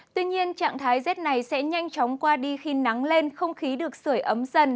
tuy nhiên trạng thái rét này sẽ nhanh chóng qua đi khi nắng lên không khí được sửa ấm dần